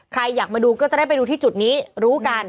อยากมาดูก็จะได้ไปดูที่จุดนี้รู้กัน